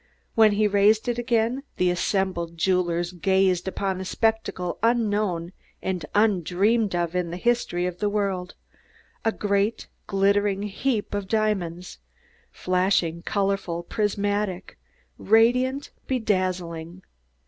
When he raised it again the assembled jewelers gazed upon a spectacle unknown and undreamed of in the history of the world a great, glittering heap of diamonds, flashing, colorful, prismatic, radiant, bedazzling.